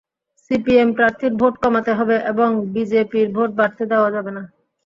CPM প্রার্থীর vote কমাতে হবে এবং বিজেপির ভোট বাড়তে দেওয়া যাবে না।